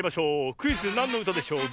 クイズ「なんのうたでしょう」